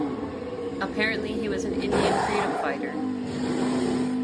Apparently, he was an Indian freedom fighter.